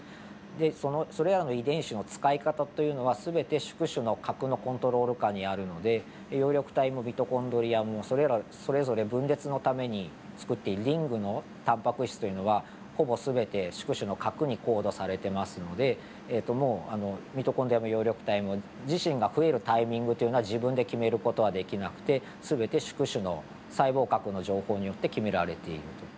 でそれらの遺伝子の使い方というのは全て宿主の核のコントロール下にあるので葉緑体もミトコンドリアもそれぞれ分裂のためにつくっているリングのタンパク質というのはほぼ全て宿主の核にコードされてますのでもうミトコンドリアも葉緑体も自身が増えるタイミングというのは自分で決める事はできなくて全て宿主の細胞核の情報によって決められていると。